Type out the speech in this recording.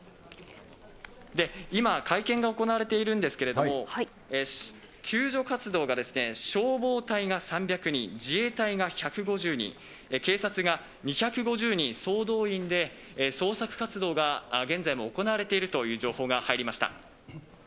今、会見が行われているんですけれども、救助活動が消防隊が３００人、自衛隊が１５０人、警察が２５０人、総動員で捜索活動が現在も行われているという情報が入りました。